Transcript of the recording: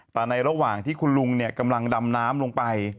แต่ในระหว่างที่คุณลุงกำลังดำน้ำลงไป